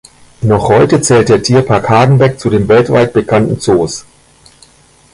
Noch heute zählt der Tierpark Hagenbeck zu den weltweit bekannten Zoos.